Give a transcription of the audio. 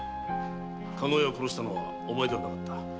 加納屋を殺したのはお前ではなかった。